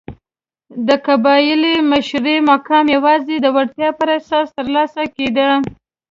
د قبیلې مشرۍ مقام یوازې د وړتیا پر اساس ترلاسه کېده.